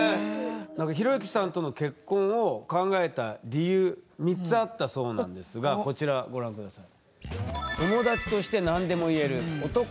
なんか寛之さんとの結婚を考えた理由３つあったそうなんですがこちらご覧下さい。